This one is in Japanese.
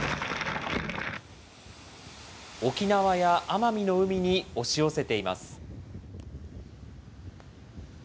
沖縄や奄美の海に押し寄せています。